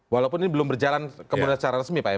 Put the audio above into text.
walaupun ini belum berjalan kemudian secara resmi pak ya